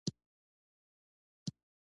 ټولنو دروني شرایطو تطبیق اسانه شي.